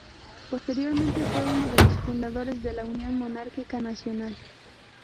Posteriormente fue uno de los fundadores de la Unión Monárquica Nacional.